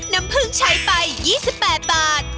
น้ำผึ้งใช้ไป๒๘บาท